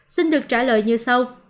xin được trả lời như sau